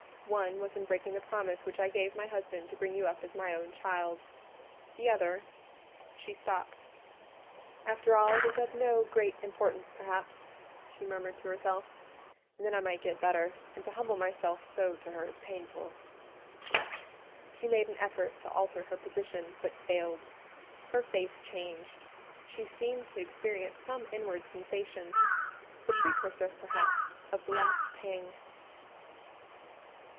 One was in breaking the promise which I gave my husband to bring you up as my own child; the other—" she stopped. "After all, it is of no great importance, perhaps," she murmured to herself: "and then I may get better; and to humble myself so to her is painful." She made an effort to alter her position, but failed: her face changed; she seemed to experience some inward sensation—the precursor, perhaps, of the last pang.